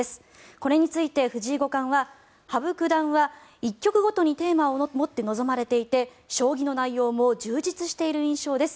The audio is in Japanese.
これについて藤井五冠は羽生九段は一局ごとにテーマを持って臨まれていて将棋の内容も充実している印象です